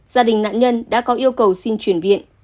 gia đình nạn nhân đã có yêu cầu xin chuyển viện